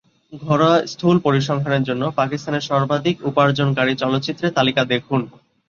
ঘরোয়া স্থূল পরিসংখ্যানের জন্য পাকিস্তানে সর্বাধিক উপার্জনকারী চলচ্চিত্রের তালিকা দেখুন।